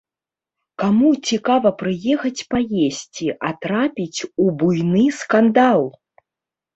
Каму цікава прыехаць паесці, а трапіць у буйны скандал?